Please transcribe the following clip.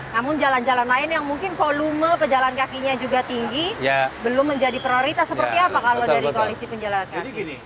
namun jalan jalan lain yang mungkin volume pejalan kakinya juga tinggi belum menjadi prioritas seperti apa kalau dari koalisi penjalan kaki